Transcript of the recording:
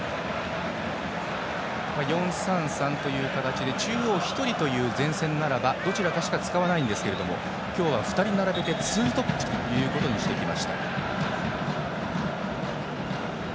４−３−３という形で中央に１人という前線ならばどちらかしか使わないんですけど今日は２人並べてツートップとしてきました。